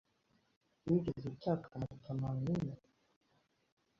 Wigeze utaka Matamaaninna?